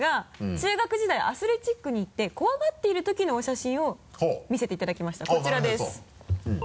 中学時代アスレチックに行って怖がっているときのお写真を見せていただきましたこちらです